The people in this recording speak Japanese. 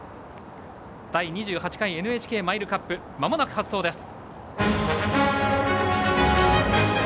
第２８回ＮＨＫマイルカップまもなく発走です。